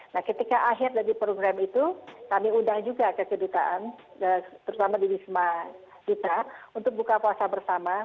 nah ketika akhir dari program itu kami undang juga ke kedutaan terutama di wisma kita untuk buka puasa bersama